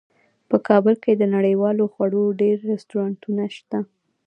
په کابل کې د نړیوالو خوړو ډیر رستورانتونه شته